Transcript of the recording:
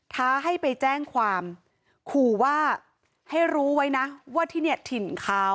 ท้าให้ไปแจ้งความขู่ว่าให้รู้ไว้นะว่าที่เนี่ยถิ่นเขา